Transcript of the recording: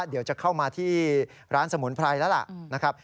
เดี๋ยวจะเข้ามาที่ร้านสมุนไพรแล้วล่ะนะครับ